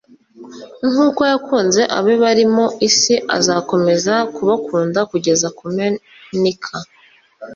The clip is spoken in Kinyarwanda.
Nk'uko yakunze abe bari mu isi, azakomeza kubakunda kugeza ku mpenika.